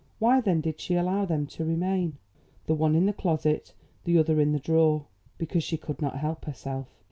Why then did she allow them to remain, the one in the closet, the other in the drawer? Because she could not help herself.